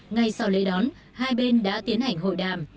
ngay sau lễ đón hai bên đã tiến hành hội đàm